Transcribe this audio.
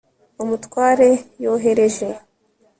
Umutware yohereje